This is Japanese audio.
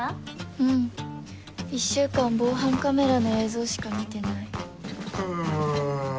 うん１週間防犯カメラの映像しか見てない。